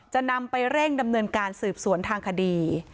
จะนำไปเร่งดำเนินการสืบสวนทางคดี